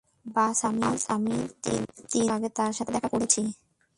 বায, আমি তিন বছর আগে তার সাথে দেখা করেছি।